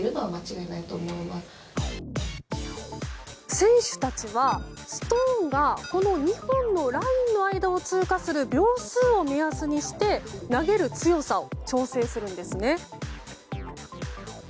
選手たちは、ストーンがこの２本のラインの間を通過する秒数を目安にして投げる強さを調整するんです。